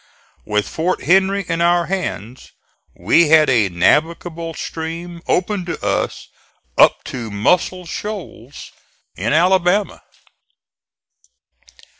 With Fort Henry in our hands we had a navigable stream open to us up to Muscle Shoals, in Alabama.